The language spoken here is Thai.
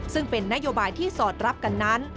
ซึ่งเป็นนโยบายที่สอดรับกันนั้น